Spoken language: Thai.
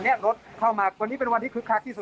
แล้วก็เข้ามาอีกวันนี้เป็นวันที่คืบคักที่สุด